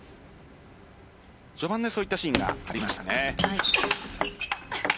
序盤でそういったシーンがありましたね。